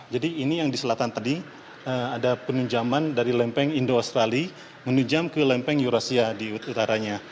jadi ini yang di selatan tadi ada penunjaman dari lempeng indo australi menunjam ke lempeng eurasia di utaranya